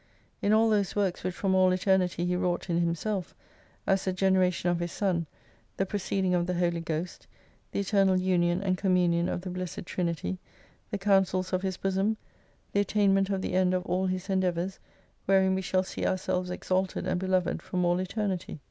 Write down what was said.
In all those works which from all Eternity He wrought in Himself ; as the generation of His Son, the proceeding of the Holy Ghost, the eternal union and communion of the blessed Trinity, the counsels of His bosom, the attainment of the end of all His endeavours, wherein we shall see ourselves exalted and beloved from all Eternity.